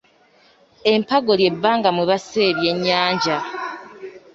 Empaggo ly’ebbanga mwe bassa ebyennyanja.